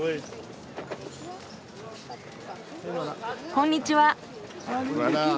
こんにちは。